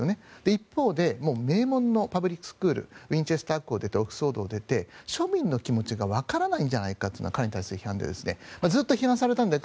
一方で名門のパブリックスクールウィンチェスター校を出てオックスフォードを出て庶民の気持ちがわからないんじゃないかという彼に対する批判でずっと批判されたので